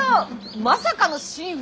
まさかの真打。